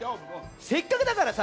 せっかくだからさ